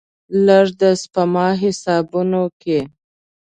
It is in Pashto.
لږ، د سپما حسابونو کې